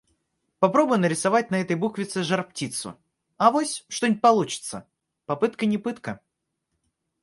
Попробуй нарисовать на этой буквице жар-птицу. Авось, что-нибудь получится! Попытка не пытка.